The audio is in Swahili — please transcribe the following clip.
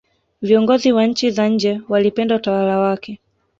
viongozi wa nchi za nje walipenda utawala wake